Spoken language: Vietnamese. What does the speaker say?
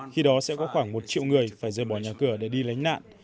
khi đó sẽ có khoảng một triệu người phải rời bỏ nhà cửa để đi lánh nạn